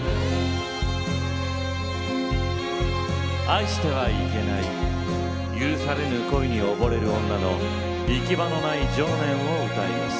愛してはいけない許されぬ恋に溺れる女の行き場のない情念を歌います。